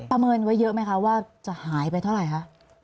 เมินไว้เยอะไหมคะว่าจะหายไปเท่าไหร่คะ